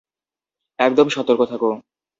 একদম সতর্ক থাক!